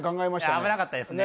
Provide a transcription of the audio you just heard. いや危なかったですね